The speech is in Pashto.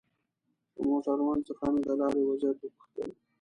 له موټروان څخه مې د لارې وضعيت وپوښتل.